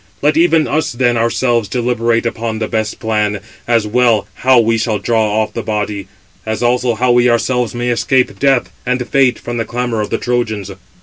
Let even us then ourselves deliberate upon the best plan, as well how we shall draw off the body, as also how we ourselves may escape Death and Fate from the clamour of the Trojans."